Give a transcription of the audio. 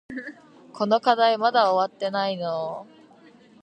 この課題まだ終わってないの？